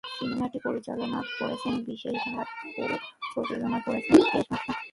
সিনেমাটি পরিচালনা করেছেন বিশেষ ভাট ও প্রযোজনা করেছেন মুকেশ ভাট।